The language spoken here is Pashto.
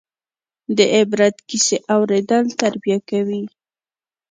د عبرت کیسې اورېدل تربیه کوي.